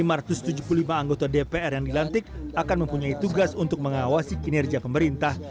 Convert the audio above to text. lima ratus tujuh puluh lima anggota dpr yang dilantik akan mempunyai tugas untuk mengawasi kinerja pemerintah